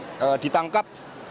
staf kesekjenan ditangkap